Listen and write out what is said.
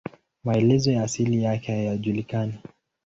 Maelezo ya asili yake hayajulikani.